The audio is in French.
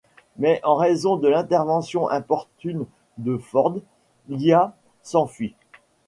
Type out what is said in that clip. Mais en raison de l'intervention importune de Ford, Lia s'enfuit.